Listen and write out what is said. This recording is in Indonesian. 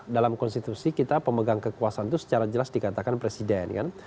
dalam konstitusi kita pemegang kekuasaan itu secara jelas dikatakan presiden kan